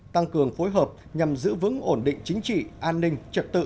tăng cường phối hợp nhằm giữ vững ổn định chính trị an ninh trật tự